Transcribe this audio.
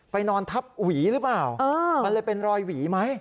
นอนทับหวีหรือเปล่ามันเลยเป็นรอยหวีไหม